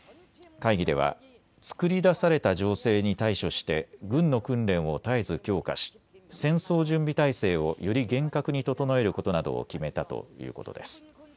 会議ではつくり出された情勢に対処して軍の訓練を絶えず強化し戦争準備態勢をより厳格に整えることなどを決めたということです。